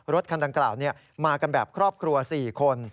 รถคันดังกล่าวมากันแบบครอบครัว๔คน